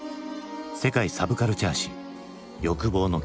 「世界サブカルチャー史欲望の系譜」。